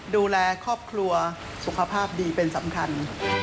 ดูแลครอบครัวสุขภาพดีเป็นสำคัญ